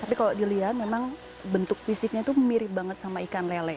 tapi kalau dilihat memang bentuk fisiknya itu mirip banget sama ikan lele